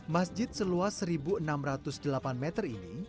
masjid seluas satu enam ratus delapan meter ini